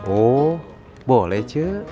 oh boleh ce